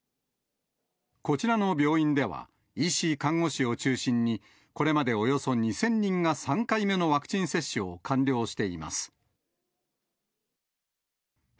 こちらの病院では、医師、看護師を中心に、これまでおよそ２０００人が３回目のワクチン接種を完了しています。